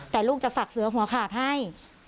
แต่ลูกจะศักดิ์เสือหัวขาดให้